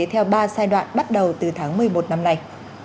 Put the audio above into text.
theo ba giai đoạn bắt đầu từ tháng một mươi một năm nay